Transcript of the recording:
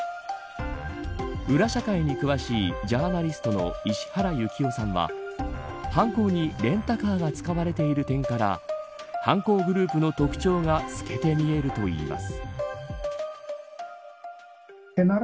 裏社会に詳しいジャーナリストの石原行雄さんは犯行にレンタカーが使われている点から犯行グループの特徴が透けて見えるといいます。